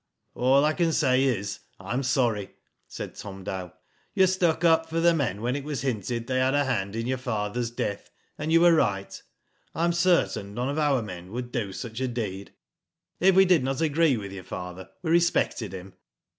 "All I can say is, I am sorry," said Tom Dow. "You stuck up for the men when it was hinted they had a hand in your father's death, and you were right. I am certain none of our men would do such a deed. If we did not agree with your father, we respected him."